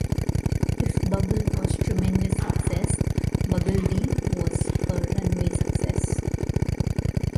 If "Bubble" was tremendous success, "Buggle D" was a run-way success.